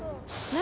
何？